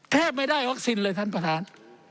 แทบไม่ได้วัคซีนเลยท่านประธาน